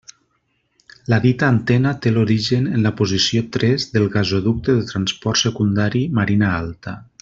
La dita antena té l'origen en la posició tres del gasoducte de transport secundari Marina Alta.